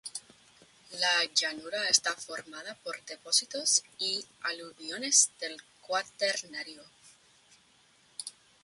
La llanura está formada por depósitos y aluviones del Cuaternario.